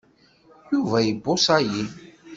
Yuba ibuṣa-yi.